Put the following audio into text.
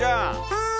はい。